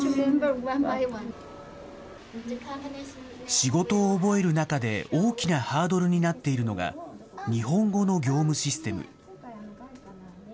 仕事を覚える中で大きなハードルになっているのが、日本語の業務システム。